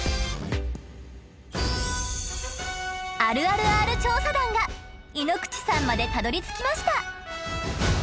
あるあるＲ調査団がいのくちさんまでたどりつきました。